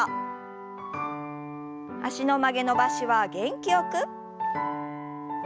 脚の曲げ伸ばしは元気よく。